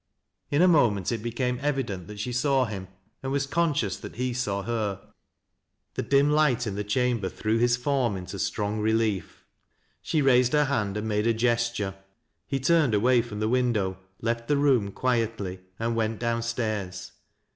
in a moment it became evident that she saw him, and was conscious that he saw her. The dim light in the chamber threw hie torm into strong relief. She raised her hand and made a gesture. He turned away from the window, left the rooni quietly, and went down stairs.